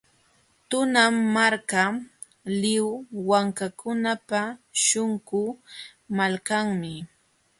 Tunan Marka, lliw wankakunapa śhunqu malkanmi.